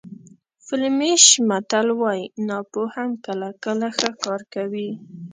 فلیمیش متل وایي ناپوه هم کله کله ښه کار کوي.